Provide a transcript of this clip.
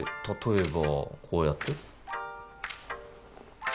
例えばこうやって？